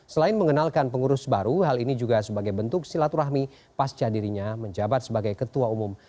selain mengenalkan pengurus baru hal ini juga sebagai bentuk silaturahmi pasca dirinya menjabat sebagai ketua umum